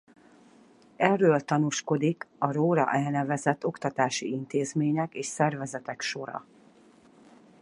Erről tanúskodik a róla elnevezett oktatási intézmények és szervezetek sora.